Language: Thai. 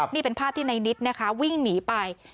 นี่เป็นภาพที่ในนิดนะคะวิ่งหนีไป